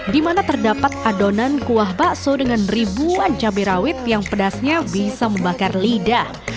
di mana terdapat adonan kuah bakso dengan ribuan cabai rawit yang pedasnya bisa membakar lidah